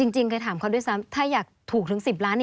จริงเคยถามเขาด้วยซ้ำถ้าอยากถูกถึง๑๐ล้าน